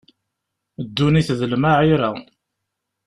Ddunit d lmaɛira.